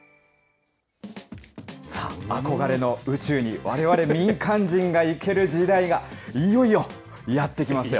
憧れの宇宙にわれわれ民間人が行ける時代が、いよいよやって来ましたよ。